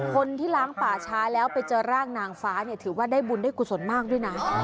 คนที่ล้างป่าช้าแล้วไปเจอร่างนางฟ้าเนี่ยถือว่าได้บุญได้กุศลมากด้วยนะ